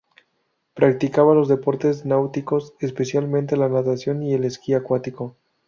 Practicaba los deportes náuticos, especialmente la natación y el esquí acuático.